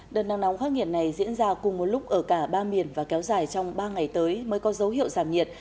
đợt nắng nóng khắc nghiệt này diễn ra cùng một lúc ở cả ba miền và kéo dài trong ba ngày tới mới có dấu hiệu giảm nhiệt